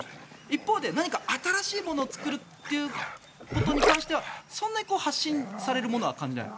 一方で何か新しいものを作るということに関してはそんなに発信されるものは感じない。